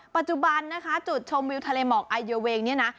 ปัจจุบันนะคะจุดชมวิวทะเลหมอกไอเยอเวงเนี่ยนะ